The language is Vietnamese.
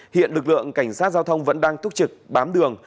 hiện lực lượng cảnh sát giao thông vẫn đang túc trực bám đường